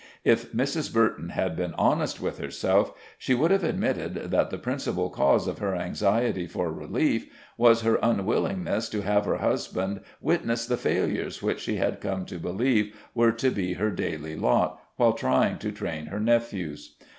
If Mrs. Burton had been honest with herself she would have admitted that the principal cause of her anxiety for relief was her unwillingness to have her husband witness the failures which she had come to believe were to be her daily lot while trying to train her nephews.